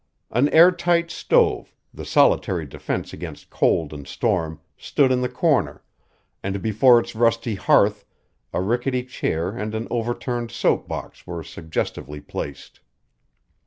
An air tight stove, the solitary defence against cold and storm, stood in the corner, and before its rusty hearth a rickety chair and an overturned soap box were suggestively placed.